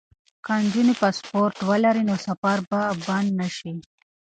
که نجونې پاسپورټ ولري نو سفر به بند نه وي.